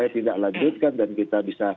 tidak lanjutkan dan kita bisa